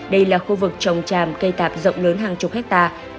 đây là khu vực trồng tràm cây tạp rộng lớn hàng chục hectare